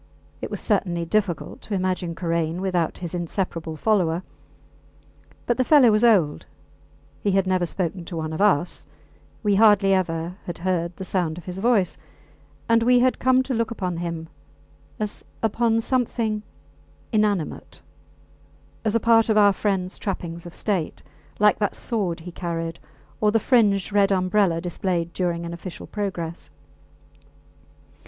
It was certainly difficult to imagine Karain without his inseparable follower; but the fellow was old, he had never spoken to one of us, we hardly ever had heard the sound of his voice; and we had come to look upon him as upon something inanimate, as a part of our friends trappings of state like that sword he had carried, or the fringed red umbrella displayed during an official progress.